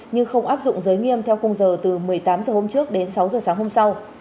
nhưng không áp dụng giới nghiêm theo khung giờ từ một mươi tám h hôm trước đến sáu h sáng hôm sau